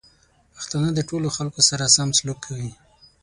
پښتانه د ټولو خلکو سره سم سلوک کوي.